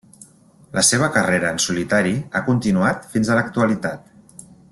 La seva carrera en solitari ha continuat fins a l'actualitat.